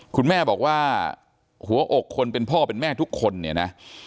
คุณแม่บอกว่าหัวอกคนเป็นพ่อเป็นแม่ทุกคนเนี่ยนะ